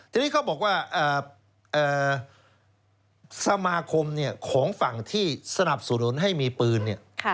ทีนี้เขาบอกว่าสมาคมของฝั่งที่สนับสนุนให้มีปืนเนี่ย